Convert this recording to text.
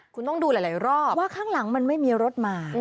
คุณต้องดูหลายรอบว่าข้างหลังมันไม่มีรถมา